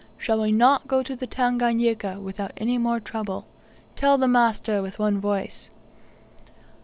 shall we not go to the Tanganika without any more trouble? tell the master with one voice."